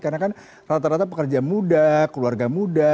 karena kan rata rata pekerja muda keluarga muda